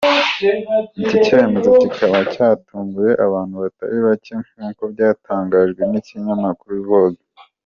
Iki cyemezo kikaba cyatunguye abantu batari bacye nk’uko byatangajwe n’ikinyamakuru Vogue.